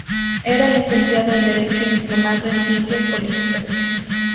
Era licenciado en Derecho y diplomado en Ciencias Políticas.